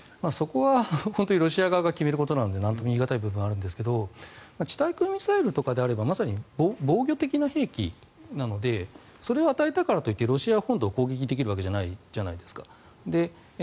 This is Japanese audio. そこは本当にロシア側が決めることなのでなんとも言い難い部分はあるんですが地対空ミサイルとかであればまさに防御的な兵器なのでそれを与えたからと言ってロシア本土を攻撃できるわけじゃないじゃないですか。